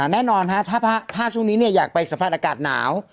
แน่นอนถ้าช่วงนี้อยากไปสัมผัสอากาศหนาว